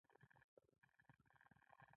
تورن وویل څنګه رښتیا نه وایم.